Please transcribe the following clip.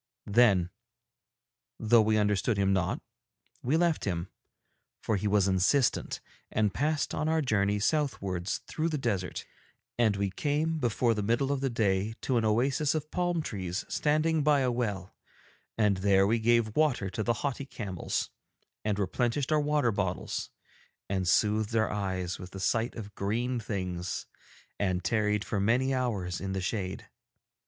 Then, though we understood him not, we left him, for he was insistent, and passed on our journey southwards through the desert, and we came before the middle of the day to an oasis of palm trees standing by a well and there we gave water to the haughty camels and replenished our water bottles and soothed our eyes with the sight of green things and tarried for many hours in the shade.